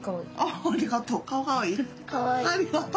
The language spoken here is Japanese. ありがとう。